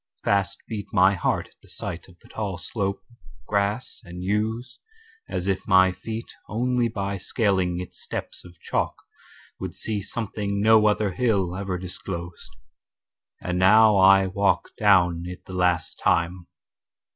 Fast beat My heart at the sight of the tall slope Or grass and yews, as if my feet Only by scaling its steps of chalk Would see something no other hill Ever disclosed. And now I walk Down it the last time.